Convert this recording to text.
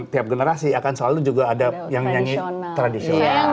tiap generasi akan selalu juga ada yang nyanyi tradisional